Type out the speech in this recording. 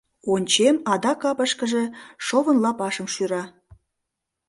Ончем: адак капышкыже шовын лапашым шӱра.